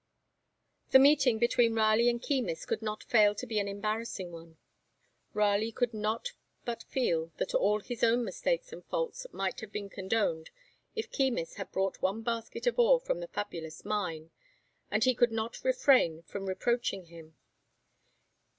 The meeting between Raleigh and Keymis could not fail to be an embarrassing one. Raleigh could not but feel that all his own mistakes and faults might have been condoned if Keymis had brought one basket of ore from the fabulous mine, and he could not refrain from reproaching him.